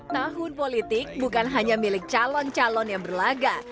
tahun politik bukan hanya milik calon calon yang berlaga